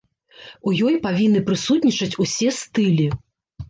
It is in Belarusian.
У ёй павінны прысутнічаць усе стылі.